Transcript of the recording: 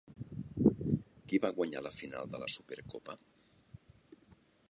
Qui va guanyar la final de la Supercopa?